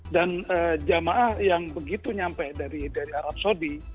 dan jemaah yang begitu nyampe dari arab saudi